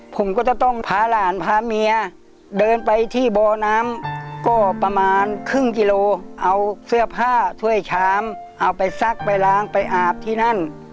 ผมก็จะต้องพาหลานพาเมียเดินไปที่บ่อน้ำก็ประมาณครึ่งกิโลเอาเสื้อผ้าถ้วยชามเอาไปซักไปล้างไปอาบที่นั่น